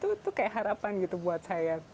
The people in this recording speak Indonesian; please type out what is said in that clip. itu tuh kayak harapan gitu buat saya